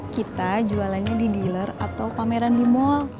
kita jualannya di dealer atau pameran di mall